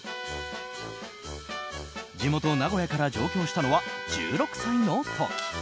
地元・名古屋から上京したのは１６歳の時。